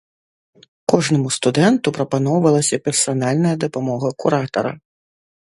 Кожнаму студэнту прапаноўвалася персанальная дапамога куратара.